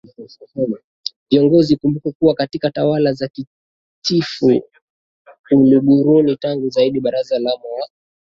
ViongoziIkumbukwe kuwa katika tawala za Kichifu Uluguruni tangu jadi Baraza la Mawaziri huwa